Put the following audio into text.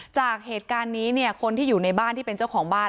จากเหตุการณ์นี้เนี่ยคนที่อยู่ในบ้านที่เป็นเจ้าของบ้าน